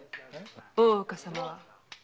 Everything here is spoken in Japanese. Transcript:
大岡様は。